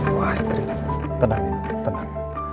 bu astri tenang